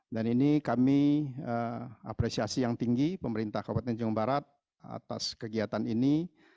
dan ini kami apresiasi yang tinggi pemerintah kabupaten jambung barat atas kegiatan ini